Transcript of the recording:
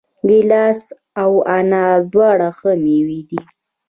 ګیلاس او انار دواړه ښه مېوې دي.